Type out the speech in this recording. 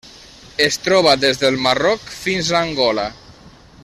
Es troba des del Marroc fins a Angola.